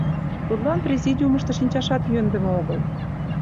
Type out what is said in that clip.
Тудлан президиумышто шинчашат йӧндымӧ огыл.